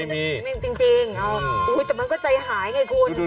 ไม่มีจริงแต่มันก็ใจหายไงคุณ